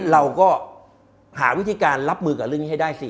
เราก็หาวิธีการรับมือกับเรื่องนี้ให้ได้สิ